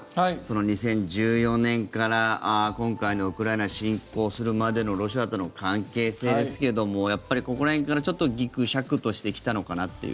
畔蒜さん、２０１４年から今回のウクライナ侵攻するまでのロシアとの関係性ですけれどもやっぱりここら辺からぎくしゃくしてきたのかなと。